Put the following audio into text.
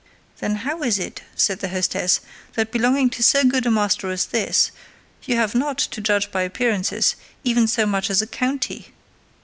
"Then how is it," said the hostess, "that belonging to so good a master as this, you have not, to judge by appearances, even so much as a county?"